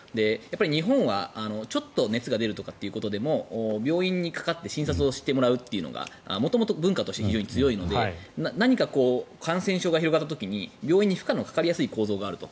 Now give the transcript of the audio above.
日本はちょっと熱が出るということでも病院にかかって診察してもらうというのが元々、文化として非常に強いので何か感染症が広がった時に病院に負荷のかかりやすい構造があると。